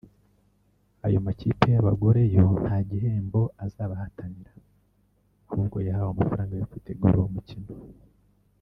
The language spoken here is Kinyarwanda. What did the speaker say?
Ayo makipe y’abagore yo nta gihembo azaba ahatanira ahubwo yahawe amafaranga yo kwitegura uwo mukino